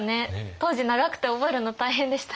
当時長くて覚えるの大変でした。